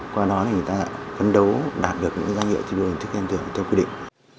qua đó người ta phấn đấu đạt được những gia nhiệm thi đua khen thường theo quy định